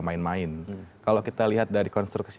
main main kalau kita lihat dari konstruksi